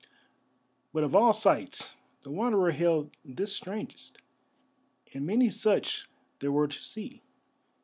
But of all sights the Wanderer held this strangest, and many such there were to see.